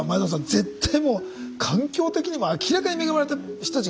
絶対もう環境的にも明らかに恵まれた人たちが周りにいる。